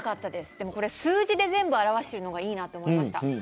でも数字で全部表しているのがいいなと思いました。